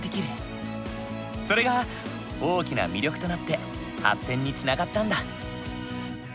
それが大きな魅力となって発展につながったんだ。